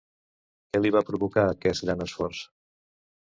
Què li va provocar aquest gran esforç?